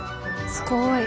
すごい。